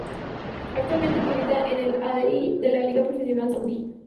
Actualmente milita en el Al-Ahli de la Liga Profesional Saudí.